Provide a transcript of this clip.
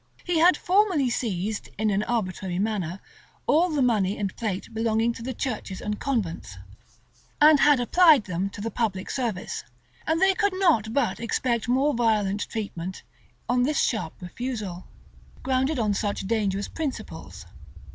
He had formerly seized, in an arbitrary manner, all the money and plate belonging to the churches and convents, and had applied them to the public service;[*] and they could not but expect more violent treatment on this sharp refusal, grounded on such dangerous principles.